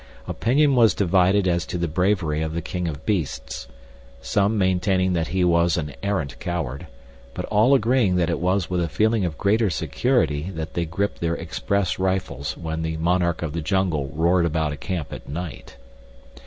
Opinion was divided as to the bravery of the king of beasts—some maintaining that he was an arrant coward, but all agreeing that it was with a feeling of greater security that they gripped their express rifles when the monarch of the jungle roared about a camp at night.